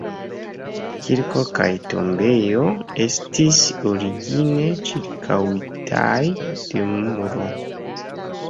Kirko kaj tombejo estis origine ĉirkaŭitaj de muro.